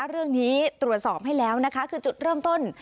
เรื่องนี้ตรวจสอบให้แล้วนะคะคือจุดเริ่มต้น